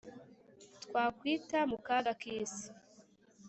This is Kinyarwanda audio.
twa kwita mu kaga k'isi,